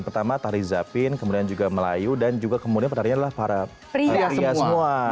pertama tari zapin kemudian juga melayu dan juga kemudian penarinya adalah para pria semua